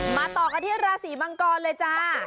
ต่อกันที่ราศีมังกรเลยจ้า